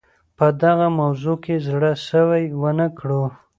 په دغه موضوع کې زړه سوی ونه کړو.